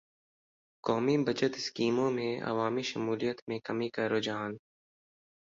قومی بچت اسکیموں میں عوامی شمولیت میں کمی کا رحجان